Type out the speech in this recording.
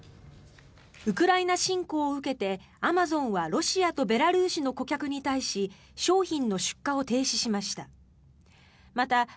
ウクライナ侵攻を受けてアマゾンはロシアとベラルーシの顧客に対し商品の出荷を停止しました。